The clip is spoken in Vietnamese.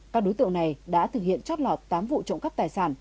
các đối tượng này đã thực hiện chót lọt tám vụ trộm cắp tài sản